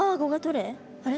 あれ？